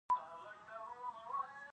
د خپل تېر عمر کیسې یې کولې.